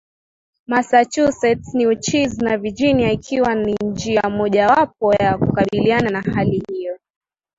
massachusetts newcheze na virginia ikiwa ni njia moja wapo ya kukabiliana na hali hiyo